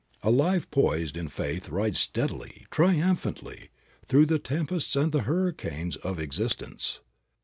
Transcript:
A life poised in faith rides steadily, triumphantly, through the tempests and the hurricanes of existence.